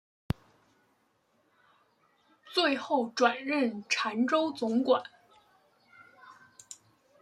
最后转任澶州总管。